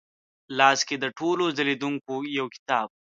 لاس کې د ټولو ځلېدونکې یوکتاب،